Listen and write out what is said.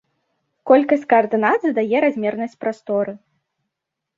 Колькасць каардынат задае размернасць прасторы.